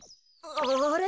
あれ？